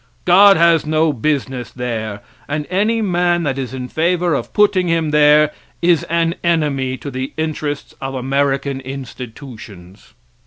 God has no business there, and any man that is in favor of putting him there is an enemy to the interests of American institutions.